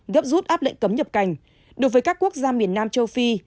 gấp rút áp lệnh cấm nhập cảnh đối với các quốc gia miền nam châu phi